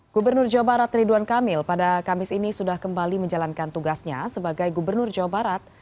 gubernur jawa barat ridwan kamil pada kamis ini sudah kembali menjalankan tugasnya sebagai gubernur jawa barat